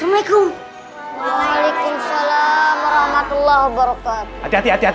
waalaikumsalam warahmatullahi wabarakatuh